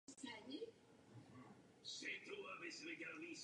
Bez rychlých rozhodnutí potřebné účinky nepocítíme.